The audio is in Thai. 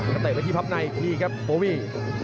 ก็เตะไปที่ภาพในอีกนิดครับโบวี่